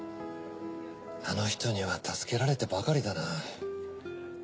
あの人には助けられてばかりだな。